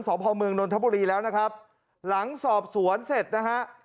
พ่อเมืองนนทบุรีแล้วนะครับหลังสอบสวนเสร็จนะฮะ